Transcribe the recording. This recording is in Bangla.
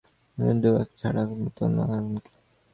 অতিসাম্প্রতিক দু একটা ছাড়া বলার মতো তো আর কোনো ছবি কি আছে?